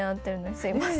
すごい。